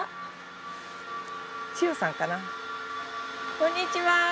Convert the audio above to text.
こんにちは。